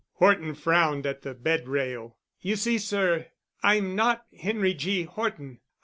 Horton frowned at the bed rail. "You see, sir, I'm not Henry G. Horton.